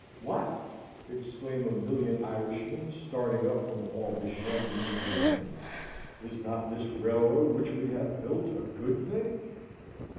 "What!" exclaim a million Irishmen starting up from all the shanties in the land, "is not this railroad which we have built a good thing?"